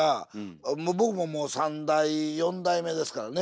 僕ももう３代４代目ですからね。